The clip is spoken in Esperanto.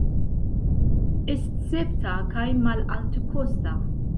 Escepta kaj malaltekosta.